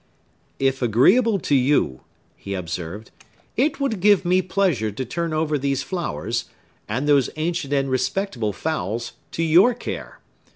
"If agreeable to you," he observed, "it would give me pleasure to turn over these flowers, and those ancient and respectable fowls, to your care.